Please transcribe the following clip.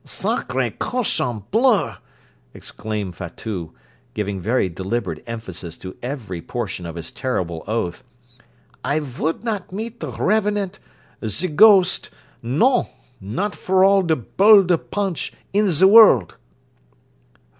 'Sacre cochon bleu!' exclaimed Fatout, giving very deliberate emphasis to every portion of his terrible oath 'I vould not meet de revenant, de ghost non not for all de bowl de ponch in de vorld.'